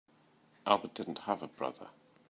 Albert didn't have a brother.